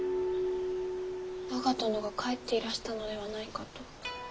我が殿が帰っていらしたのではないかと。